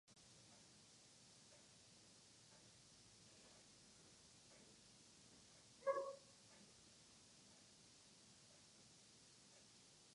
El compositor de "But I'm a Cheerleader" fue Pat Irwin.